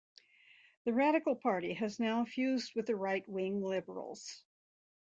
The Radical Party has now fused with the right-wing Liberals.